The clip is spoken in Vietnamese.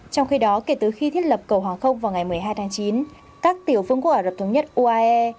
trong khi đó kể từ khi thiết lập cầu hoàng không vào ngày một mươi hai tháng chín các tiểu phương quốc ả rập thống nhất uae